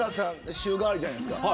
週替わりじゃないですか。